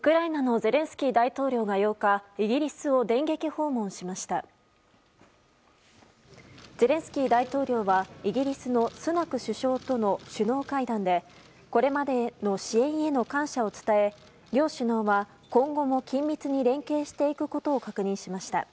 ゼレンスキー大統領はイギリスのスナク首相との首脳会談でこれまでの支援への感謝を伝え両首脳は今後とも緊密に連携していくことを確認しました。